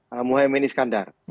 adalah muhyemen iskandar